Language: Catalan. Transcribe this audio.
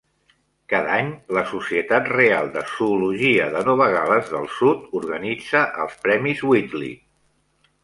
Cada any la Societat Real de Zoologia de Nova Gal·les del Sud organitza els premis Whitley.